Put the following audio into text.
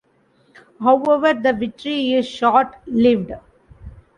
However, the victory is short-lived.